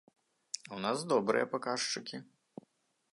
У нас добрыя паказчыкі.